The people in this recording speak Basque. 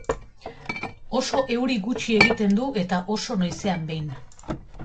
Oso euri gutxi egiten du eta oso noizean behin.